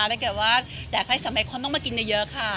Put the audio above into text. ในเกี่ยวกับว่าแดกไทยสำเน็กความต้องมากินเยอะค่ะ